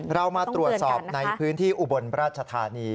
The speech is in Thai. เรามาตรวจสอบในพื้นที่อุบลราชธานี